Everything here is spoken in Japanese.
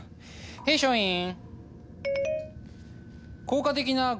ヘイショーイン！